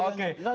gak ada masalah